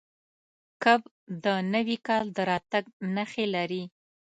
کب د نوي کال د راتګ نښې لري.